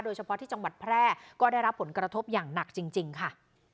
โดยเฉพาะที่จังหวัดแพร่ก็ได้รับผลกระทบอย่างหนักจริงค่ะ